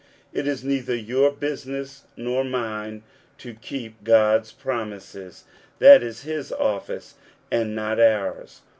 It is neither your business nor mine to keep God's promises : that is his office, and not ours.